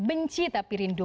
benci tapi rindu